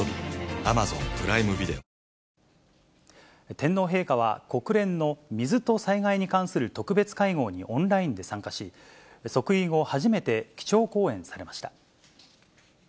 天皇陛下は国連の水と災害に関する特別会合にオンラインで参加し、即位後初めて基調講演されました。